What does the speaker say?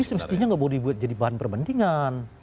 ini sebetulnya nggak boleh dibuat jadi bahan perbandingan